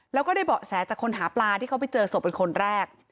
แล้วก็ได้เบาะแสจากคนหาปลาที่เขาไปเจอศพเป็นคนแรก